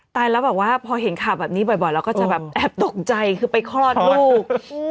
ตายแล้วแบบว่าพอเห็นข่าวแบบนี้บ่อยเราก็จะแบบแอบตกใจคือไปคลอดลูก